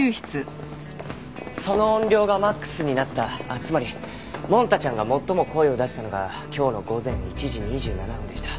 その音量がマックスになったつまりモン太ちゃんが最も声を出したのが今日の午前１時２７分でした。